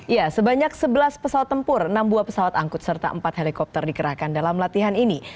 ya sebanyak sebelas pesawat tempur enam buah pesawat angkut serta empat helikopter dikerahkan dalam latihan ini